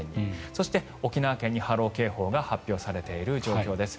そして、沖縄県に波浪警報が発表されている状況です。